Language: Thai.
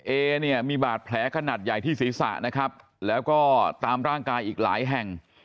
เอเนี่ยมีบาดแผลขนาดใหญ่ที่ศีรษะนะครับแล้วก็ตามร่างกายอีกหลายแห่ง